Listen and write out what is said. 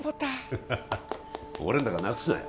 ハハハハ俺のだからなくすなよ